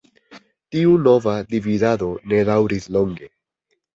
Tiu nova dividado ne daŭris longe.